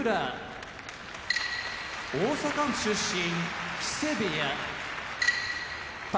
大阪府出身木瀬部屋宝